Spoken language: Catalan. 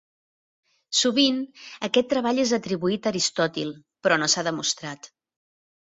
Sovint aquest treball és atribuït a Aristòtil però no s'ha demostrat.